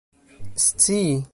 scii